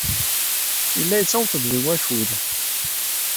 Yella yettaweḍ-d deg wakud.